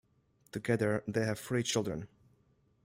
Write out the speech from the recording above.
Together they have three children.